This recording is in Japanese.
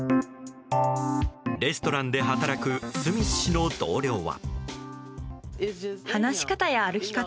レストランで働くスミス氏の同僚は。